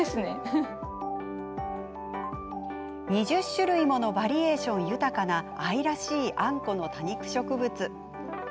２０種類ものバリエーション豊かな愛らしいあんこの多肉植物。